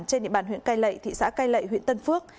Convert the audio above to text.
trên địa bàn huyện cai lệ thị xã cai lệ huyện tân phước